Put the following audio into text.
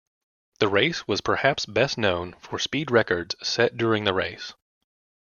The race was perhaps best known for speed records set during the race.